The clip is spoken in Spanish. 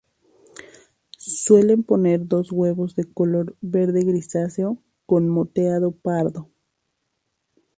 Suelen poner dos huevos de color verde grisáceo con moteado pardo.